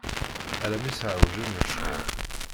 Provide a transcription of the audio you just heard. Ala mi s-εewjen lecɣal.